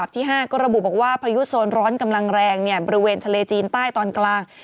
ที่๕ก็ระบุบอกว่าพายุโซนร้อนกำลังแรงบริเวณทะเลจีนใต้ตอนกลาง